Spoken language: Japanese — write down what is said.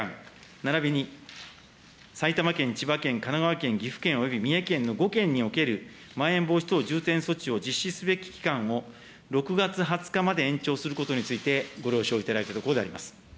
ならびに埼玉県、千葉県、神奈川県、岐阜県および三重県の５県における、まん延防止等重点措置を実施すべき期間を６月２０日まで延長することについてご了承いただいたところであります。